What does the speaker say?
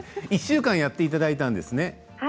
１週間やっていただいたんですね。